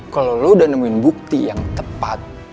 kalau lo udah nemuin bukti yang tepat